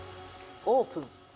オープン。